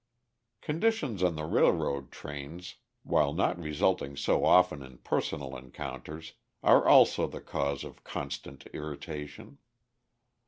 Conditions on the railroad trains, while not resulting so often in personal encounters, are also the cause of constant irritation.